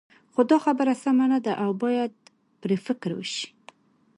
خو دا خبره سمه نه ده او باید پرې فکر وشي.